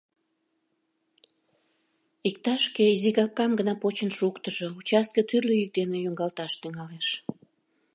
Иктаж-кӧ изигапкам гына почын шуктыжо, участке тӱрлӧ йӱк дене йоҥгалташ тӱҥалеш.